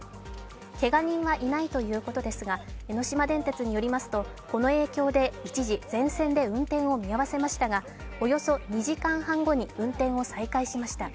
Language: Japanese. けが人はいないということですが、江ノ島電鉄によりますとこの影響で一時、全線で運転を見合わせましたがおよそ２時間半後に運転を再開しました。